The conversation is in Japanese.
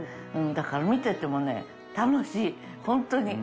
だから見ててもね、楽しい、本当に。